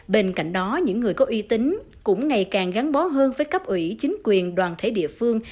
bên cạnh đó những người có uy tín cũng ngày càng gắn bó hơn với cấp ủy chính quyền đoàn thể địa phương